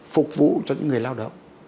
phục vụ cho những người lao động